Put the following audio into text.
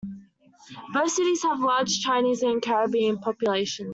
Both cities have large Chinese and Caribbean populations.